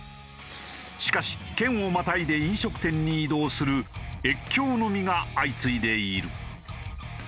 しかし県をまたいで飲食店に移動する越境飲みが相次いでいる。